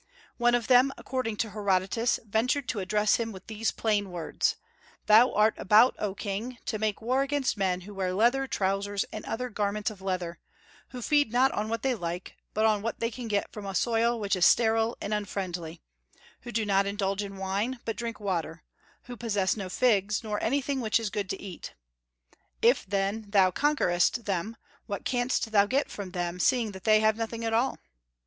One of them, according to Herodotus, ventured to address him with these plain words: "Thou art about, O King, to make war against men who wear leather trousers and other garments of leather; who feed not on what they like, but on what they can get from a soil which is sterile and unfriendly; who do not indulge in wine, but drink water; who possess no figs, nor anything which is good to eat. If, then, thou conquerest them, what canst thou get from them, seeing that they have nothing at all?